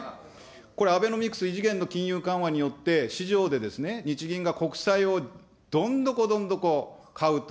これアベノミクス、異次元の金融緩和によって、市場で日銀が国債をどんどこどんどこ買うと。